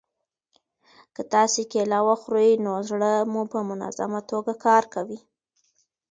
که تاسي کیله وخورئ نو زړه مو په منظمه توګه کار کوي.